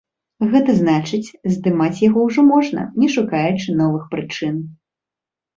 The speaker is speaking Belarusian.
Гэта значыць, здымаць яго ўжо можна, не шукаючы новых прычын.